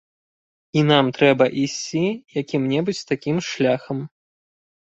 І нам трэба ісці якім-небудзь такім шляхам.